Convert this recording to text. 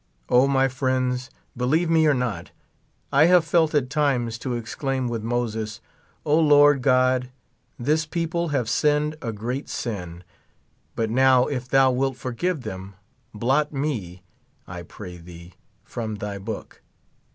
O, my friends, believe me or not, I have felt at times to exclaim with Moses : O, Lord God, this people have sinned a great sin ; but now if thou wilt forgive them, blot me, I pray thee, from thy book.